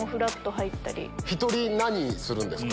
１人何するんですか？